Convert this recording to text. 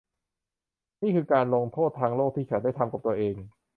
นี่คือการลงโทษทางโลกที่ฉันได้ทำกับตัวเอง